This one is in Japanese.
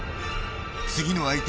次の相手